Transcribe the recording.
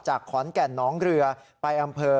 ขอนแก่นหนองเรือไปอำเภอ